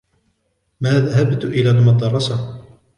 ما ذهبت إلى المدرسة.